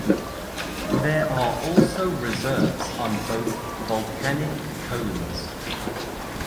There are also reserves on both volcanic cones.